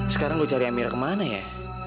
sekarang gue cari amira kemana ya